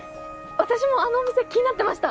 私もあの店気になってました！